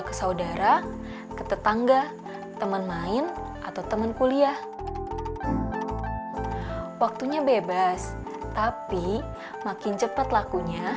kalau kang fit mau makan dulu